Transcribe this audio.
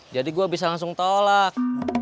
jadi gua bisa langsung tolak